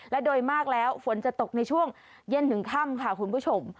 และโดยมากแล้วฝนจะตกในช่วงเย็นถึงค่ำค่ะคุณผู้ชม